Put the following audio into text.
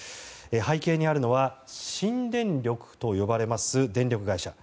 背景にあるのは新電力と呼ばれます電力会社。